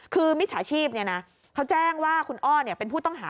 คือมิจฉาชีพเขาแจ้งว่าคุณอ้อเป็นผู้ต้องหา